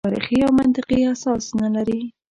تاریخي او منطقي اساس نه لري.